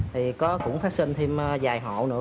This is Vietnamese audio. thì cũng phát sinh thêm vài hộ nữa